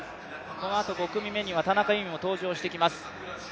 このあと５組目には田中佑美も登場してきます。